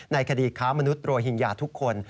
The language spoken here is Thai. ในคดีค้ามนุษยโรหิงญาทุกคน